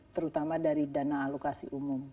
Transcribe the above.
terutama dari dana alokasi umum